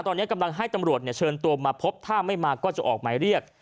ตอนนี้กำลังให้ตำรวจเชิญตัวมาพบถ้าไม่มาก็จะออกหมายเรียก